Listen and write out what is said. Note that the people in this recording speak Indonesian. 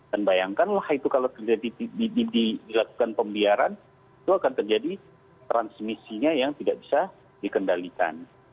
dan bayangkanlah itu kalau dilakukan pembiaran itu akan terjadi transmisinya yang tidak bisa dikendalikan